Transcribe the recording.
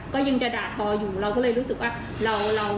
ก็ยังจะด่าทออยู่เราก็เลยรู้สึกว่าเรา